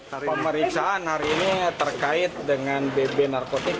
nah pemeriksaan hari ini terkait dengan bb narkotik